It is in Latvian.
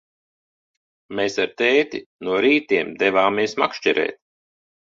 Mēs ar tēti no rītiem devāmies makšķerēt.